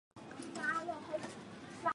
最近也开始制作栗林美奈实等人的乐曲。